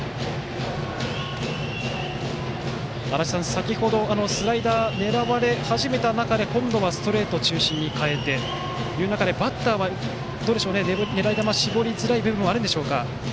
先程スライダーを狙われ始めた中で今度はストレート中心に変えてという中でバッターは狙い球、絞りづらい部分はあるんでしょうか？